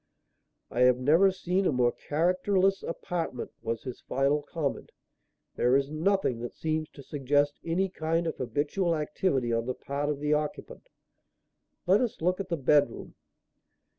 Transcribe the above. "I have never seen a more characterless apartment," was his final comment. "There is nothing that seems to suggest any kind of habitual activity on the part of the occupant. Let us look at the bedroom."